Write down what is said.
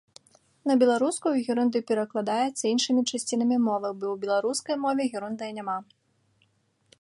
На беларускую герундый перакладаецца іншымі часцінамі мовы, бо ў беларускай мове герундыя няма.